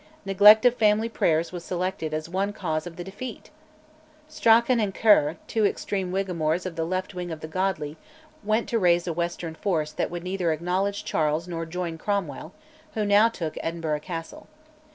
Neglect of family prayers was selected as one cause of the defeat! Strachan and Ker, two extreme whigamores of the left wing of the godly, went to raise a western force that would neither acknowledge Charles nor join Cromwell, who now took Edinburgh Castle.